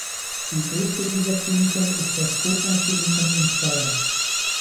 Die größte dieser Kliniken ist das Vogtland-Klinikum in Plauen.